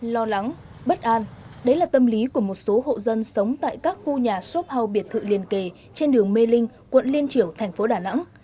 lo lắng bất an đấy là tâm lý của một số hộ dân sống tại các khu nhà shop house biệt thự liền kề trên đường mê linh quận liên triểu thành phố đà nẵng